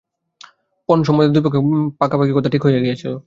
পণ সম্বন্ধে দুই পক্ষে পাকাপাকি কথা ঠিক হইয়া গিয়াছিল।